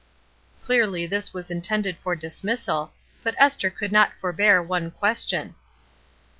'* Clearly this was intended for dismissal, but Esther could not forbear one question.